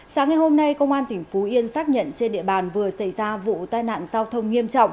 sáng ngày hôm nay công an tỉnh phú yên xác nhận trên địa bàn vừa xảy ra vụ tai nạn giao thông nghiêm trọng